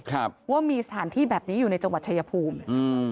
ว่ามีสถานที่แบบนี้อยู่ในจังหวัดเชยภูมิ